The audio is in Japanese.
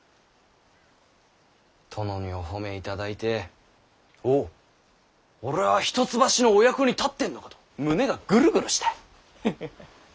殿にお褒めいただいておぉ俺は一橋のお役に立ってんのかと胸がぐるぐるした。ハハハ。